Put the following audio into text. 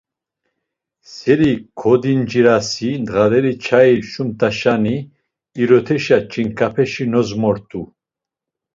Seri kodincirasi, ndğaleri çayi şumt̆uşani, iroteşa ç̌inǩapeşi nozmort̆u.